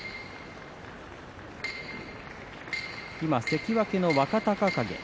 関脇の若隆景